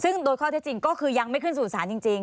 ซึ่งโดดเข้าถ้าจริงก็คือยังไม่ขึ้นสู่สารจริง